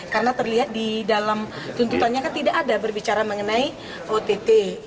karena terlihat di dalam tuntutannya kan tidak ada berbicara mengenai ott